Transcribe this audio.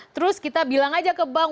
terus kita bilang aja ke bank